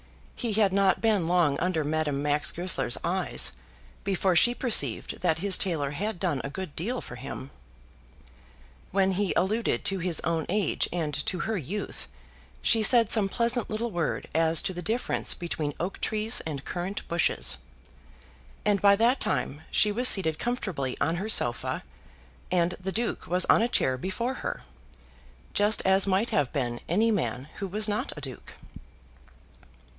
He had not been long under Madame Max Goesler's eyes before she perceived that his tailor had done a good deal for him. When he alluded to his own age and to her youth, she said some pleasant little word as to the difference between oak trees and currant bushes; and by that time she was seated comfortably on her sofa, and the Duke was on a chair before her, just as might have been any man who was not a Duke.